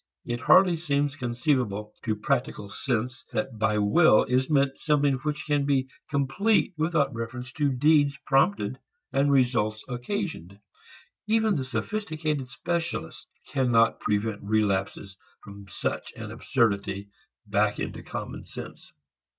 It hardly seems conceivable to practical sense that by will is meant something which can be complete without reference to deeds prompted and results occasioned. Even the sophisticated specialist cannot prevent relapses from such an absurdity back into common sense.